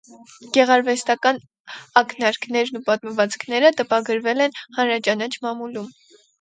Գեղարվեստական ակնարկներն ու պատմվածքները տպագրվել են հանրաճանաչ մամուլում։